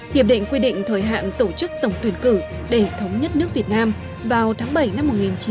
hiệp định quy định thời hạn tổ chức tổng tuyển cử để thống nhất nước việt nam vào tháng bảy năm một nghìn chín trăm bảy mươi